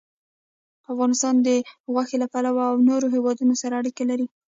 افغانستان د غوښې له پلوه له نورو هېوادونو سره اړیکې لري.